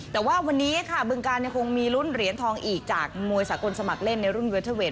แต่ว่าวันนี้ค่ะบึงการยังคงมีลุ้นเหรียญทองอีกจากมวยสากลสมัครเล่นในรุ่นเวเทอร์เวท